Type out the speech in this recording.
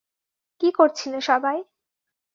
কী করছিলে সবাই?